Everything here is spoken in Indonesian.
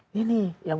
ini yang berdamping